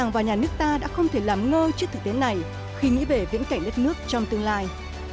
và nhà nước ta đã không thể làm ngơ trước thời tiết này khi nghĩ về viễn cảnh đất nước trong tương lai